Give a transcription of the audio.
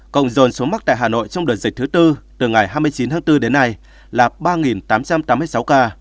cộng dồn số mắc tại hà nội trong đợt dịch thứ tư từ ngày hai mươi chín tháng bốn đến nay là ba tám trăm tám mươi sáu ca